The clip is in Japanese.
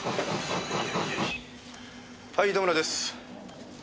はい糸村です。